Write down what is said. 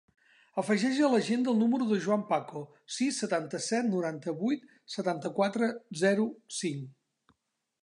Afegeix a l'agenda el número del Joan Paco: sis, setanta-set, noranta-vuit, setanta-quatre, zero, cinc.